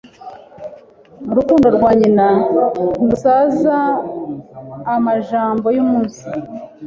urukundo rwa nyina ntirusaza Amajambo yumunsi